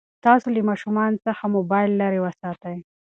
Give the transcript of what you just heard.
تاسو له ماشومانو څخه موبایل لرې وساتئ.